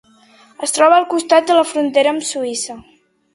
Es troba al costat de la frontera amb Suïssa.